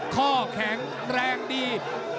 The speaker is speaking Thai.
ข้อแข็งแรงดี